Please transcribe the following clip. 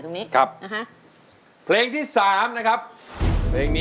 กระแซะเข้ามาสิ